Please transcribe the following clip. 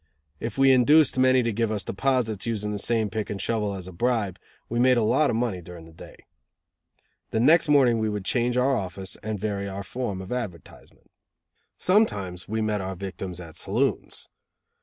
If we induced many to give us deposits, using the same pick and shovel as a bribe, we made a lot of money during the day. The next morning we would change our office and vary our form of advertisement. Sometimes we met our victims at saloons.